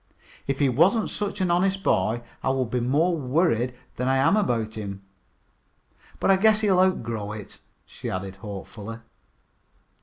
"If he wasn't such an honest boy, I would be more worried than I am about him. But I guess he will outgrow it," she added hopefully.